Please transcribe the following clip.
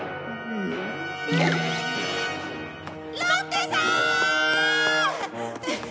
ロッテさーん！